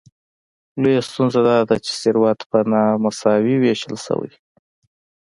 لویه ستونزه داده چې ثروت په نامساوي ویشل شوی.